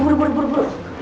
buru buru buru